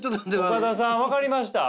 岡田さん分かりました？